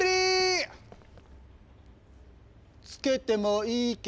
つけてもいいけどね？